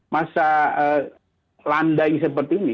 masa landai seperti ini